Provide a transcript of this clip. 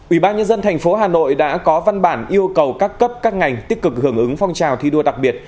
ủy ban nhân dân thành phố hà nội đã có văn bản yêu cầu các cấp các ngành tích cực hưởng ứng phong trào thi đua đặc biệt